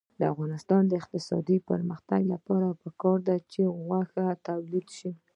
د افغانستان د اقتصادي پرمختګ لپاره پکار ده چې غوښه تولید شي.